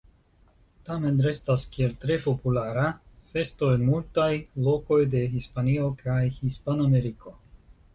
Tamen restas kiel tre populara festo en multaj lokoj de Hispanio kaj Hispanameriko.